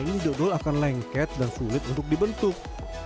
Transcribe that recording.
ini dodol akan lengket dan sulit untuk dibentuk